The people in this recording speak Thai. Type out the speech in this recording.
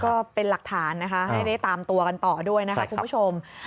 ก็เป็นหลักฐานนะคะให้ได้ตามตัวกันต่อด้วยนะคะคุณผู้ชม